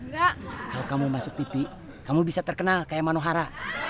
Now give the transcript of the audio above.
gak kalau kamu masuk tv kamu bisa terkenal kayak manohara